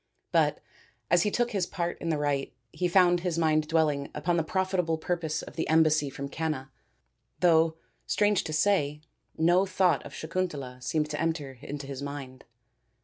But as he took his part in the rite he found his mind dwelling upon the probable purpose of the embassy from Canna, though, strange to say, no thought of Sakun tala seemed to enter into his mind.